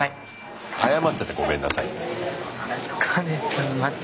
謝っちゃった「ごめんなさい」って。